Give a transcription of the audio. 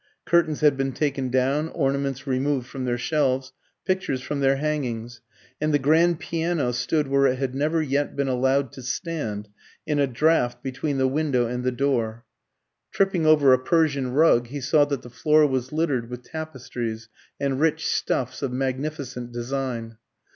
Curtains had been taken down, ornaments removed from their shelves, pictures from their hangings; and the grand piano stood where it had never yet been allowed to stand, in a draught between the window and the door. Tripping over a Persian rug, he saw that the floor was littered with tapestries and rich stuffs of magnificent design.